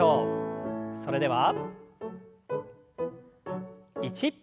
それでは１。